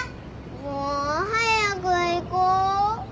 もう早く行こう。